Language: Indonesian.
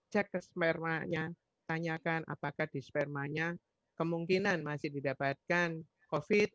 cek spermanya tanyakan apakah di spermanya kemungkinan masih didapatkan covid sembilan belas